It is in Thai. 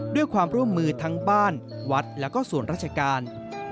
ด้วยความร่วมมือทั้งบ้านวัดและก็ส่วนราชการ